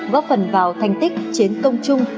góp phần vào thành tích chiến công chung